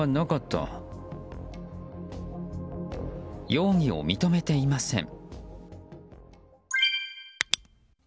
容疑を認めていません。